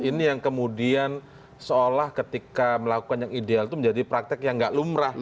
ini yang kemudian seolah ketika melakukan yang ideal itu menjadi praktek yang gak lumrah